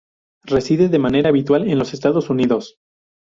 Reside de manera habitual en los Estados Unidos.